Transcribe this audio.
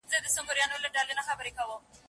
ایا شاګرد باید د موضوع حدود وپېژني؟